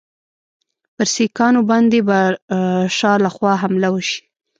پر سیکهانو باندي به شا له خوا حمله وشي.